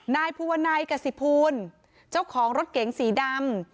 นายภูวนัยกษิภูลเจ้าของรถเก๋งสีดำ